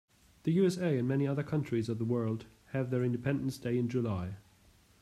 The USA and many other countries of the world have their independence day in July.